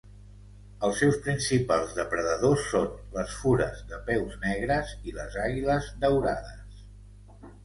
Els seus principals depredadors són les fures de peus negres i les àguiles daurades.